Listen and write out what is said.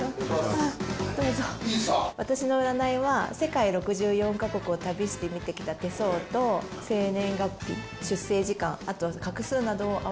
私の占いは世界６４カ国を旅して見てきた手相と生年月日出生時間あとは画数などをあわせて見ています。